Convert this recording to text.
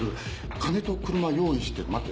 金と車用意して待て。